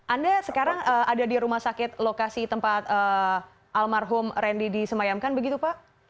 anda sekarang ada di rumah sakit lokasi tempat almarhum randy disemayamkan begitu pak